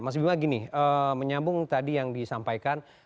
mas bima gini menyambung tadi yang disampaikan